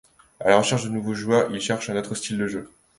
À la recherche de nouveaux joueurs, il cherche un autre style de jeu.